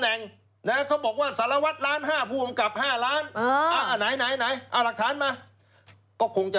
เอาหลักฐานมา